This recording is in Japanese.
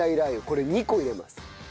これ２個入れます。